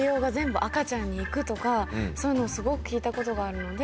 そういうのをすごく聞いたことがあるので。